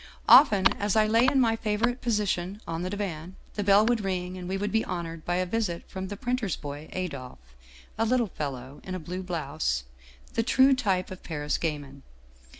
" Often, as I lay in my favorite position on the divan, the bell would ring and we would be honored by a visit from the printer's boy Adolphe, a little fellow in a blue blouse, the true type of Paris gamin.